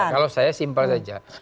kalau saya simpel saja